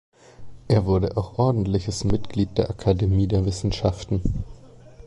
Er wurde auch ordentliches Mitglied der Akademie der Wissenschaften.